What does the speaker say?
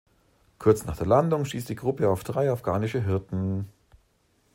Kurz nach der Landung stieß die Gruppe auf drei afghanische Hirten.